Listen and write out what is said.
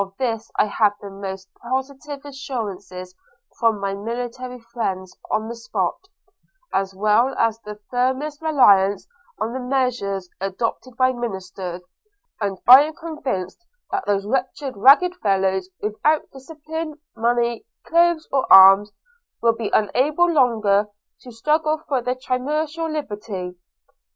– Of this I have the most positive assurances from my military friends on the spot, as well as the firmest reliance on the measures adopted by Ministers; and I am convinced that those wretched, ragged fellows, without discipline, money, clothes, or arms, will be unable longer to struggle for their chimerical liberty.